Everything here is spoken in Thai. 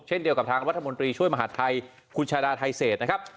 เช่นเดียวกับทางรัฐมนตรีช่วยมหาดไทยคุณชาดาไทเศษนะครับ